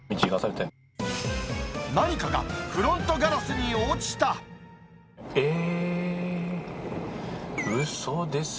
何かがフロントガラスに落ちえー。